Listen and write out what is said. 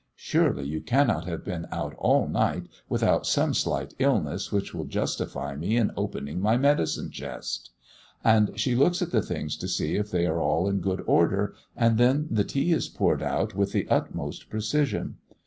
Surely you cannot have been out all night without some slight illness which will justify me in opening my medicine chest?" And she looks at the things to see if they are all in good order, and then the tea is poured out with the utmost precision.